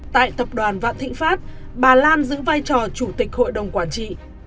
tại tập đoàn vạn thịnh pháp bà lan giữ vai trò chủ tịch hội đồng quản trị